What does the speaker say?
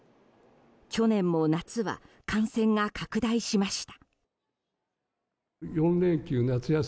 去年も夏は感染が拡大しました。